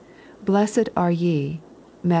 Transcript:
" Blessed art ye" (Matt.